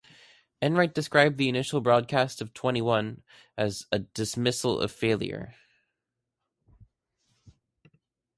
Enright described the initial broadcast of "Twenty One" as "a dismal failure.